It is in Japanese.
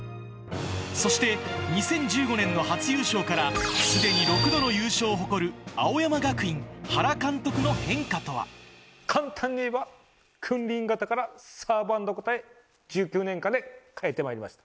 そして、２０１５年の初優勝から、すでに６度の優勝を誇る青山学院、簡単に言えば、君臨型からサーバント型へ、１９年間で変えてまいりました。